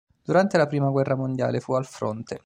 Durante la prima guerra mondiale fu al fronte.